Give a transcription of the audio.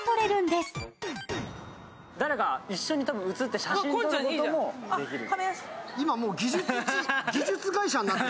誰か一緒に写って写真に撮ることもできるんです。